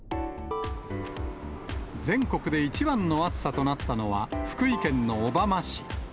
全国で一番の暑さとなったのは、福井県の小浜市。